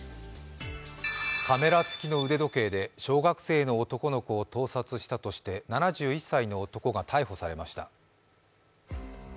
カメラ付きの腕時計で小学生の男の子を盗撮したとして７１歳の男が逮捕されました。